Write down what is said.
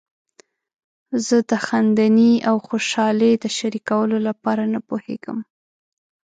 زه د خندنۍ او خوشحالۍ د شریکولو لپاره نه پوهیږم.